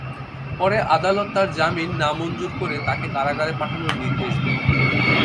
পরে আদালত তাঁর জামিন নামঞ্জুর করে তাঁকে কারাগারে পাঠানোর নির্দেশ দেন।